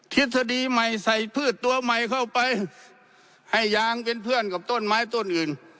ทฤษฎีใหม่ใส่พืชตัวใหม่เข้าไปให้ยางเป็นเพื่อนกับต้นไม้ต้นอื่น